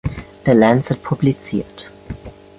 The Lancet publiziert.